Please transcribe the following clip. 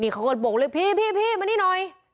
นี่เขากดโบ๊คเลยพี่พี่พี่มานี่หน่อย